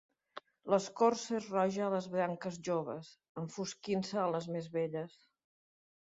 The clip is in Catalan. L'escorça és roja a les branques joves, enfosquint-se a les més velles.